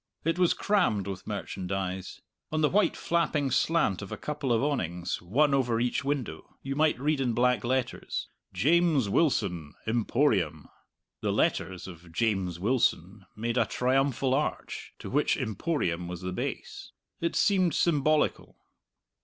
It was crammed with merchandise. On the white flapping slant of a couple of awnings, one over each window, you might read in black letters, "JAMES WILSON: EMPORIUM." The letters of "James Wilson" made a triumphal arch, to which "Emporium" was the base. It seemed symbolical.